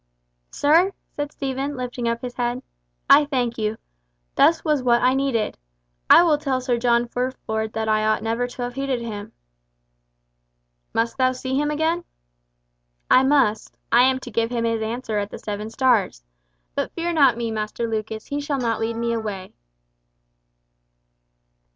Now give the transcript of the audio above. "Sir," said Stephen, lifting up his head, "I thank you. Thus was what I needed. I will tell Sir John Fulford that I ought never to have heeded him." "Must thou see him again?" "I must. I am to give him his answer at the Seven Stars. But fear not me, Master Lucas, he shall not lead me away."